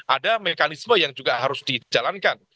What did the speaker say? ada mekanisme yang juga harus dijalankan